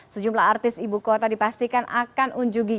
sejumlah artis ibu kota dipastikan akan unjugi